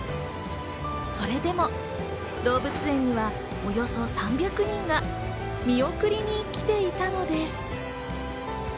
それでも動物園にはおよそ３００人が見送りに来ていたのです。